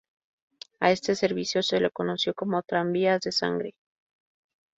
A este servicio se le conoció como tranvías de sangre.